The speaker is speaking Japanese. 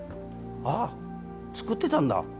あぁ、作ってたんだ。